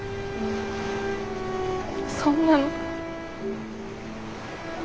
そんなの。